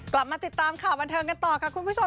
กลับมาติดตามข่าวบันเทิงกันต่อค่ะคุณผู้ชม